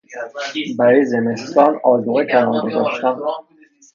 برای زمستان آذوقه کنار گذاشتن